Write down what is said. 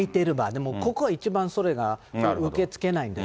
でもここは一番それが受け付けな